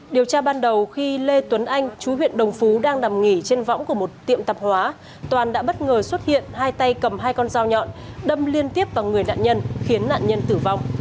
điều tra ban đầu khi lê tuấn anh chú huyện đồng phú đang nằm nghỉ trên võng của một tiệm tạp hóa toàn đã bất ngờ xuất hiện hai tay cầm hai con dao nhọn đâm liên tiếp vào người nạn nhân khiến nạn nhân tử vong